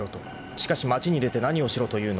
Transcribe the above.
［しかし町に出て何をしろというのだ］